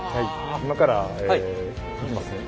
今から行きますね。